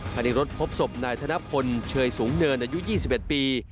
ภายในรถพบศพนายธนพลเชยสูงเนินอายุ๒๑ปี